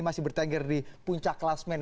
masih bertengger di puncak kelas men